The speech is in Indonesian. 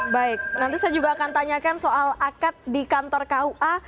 baik nanti saya juga akan tanyakan soal akad di kantor kua